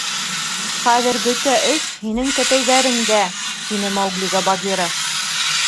— Хәҙер бөтә эш һинең тәпәйҙәреңдә, — тине Мауглиға Багира.